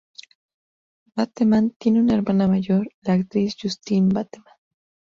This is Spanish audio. Bateman tiene una hermana mayor, la actriz Justine Bateman.